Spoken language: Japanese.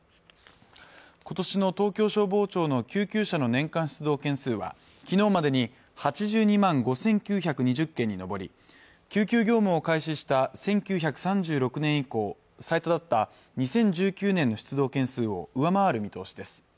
今年の東京消防庁の救急車の年間出動件数はきのうまでに８２万５９２０件に上り救急業務を開始した１９３６年以降最多だった２０１９年の出動件数を上回る見通しです